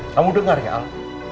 kamu dengar ya al